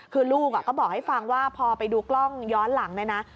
คือลูกก็บอกให้ฟังว่าพอไปดูกล้องย้อนหลังเนี่ยนะ